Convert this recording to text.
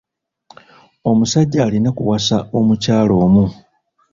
Omusajja alina kuwasa omukyala omu.